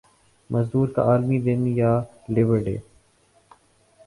مزدور کا عالمی دن یا لیبر ڈے